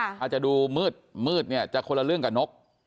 อาจจะดูมืดมืดจะคนละเรื่องกับนก